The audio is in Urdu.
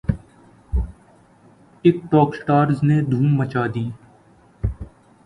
ٹک ٹوک سٹارز نے دھوم مچا دی